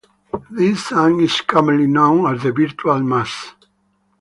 This sum is commonly known as the "virtual mass".